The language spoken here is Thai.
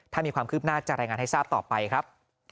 ถ้ามีความคืบหน้าจะรายงานให้ทราบต่อไปครับ